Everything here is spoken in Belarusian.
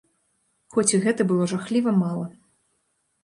Хоць і гэта было жахліва мала.